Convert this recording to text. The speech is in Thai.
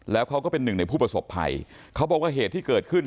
แล้วเขาก็เป็นหนึ่งในผู้ประสบภัยเขาบอกว่าเหตุที่เกิดขึ้น